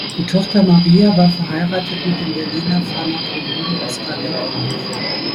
Die Tochter Maria war verheiratet mit dem Berliner Pharmakologen Oskar Liebreich.